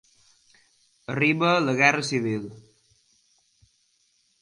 Arriba la Guerra Civil.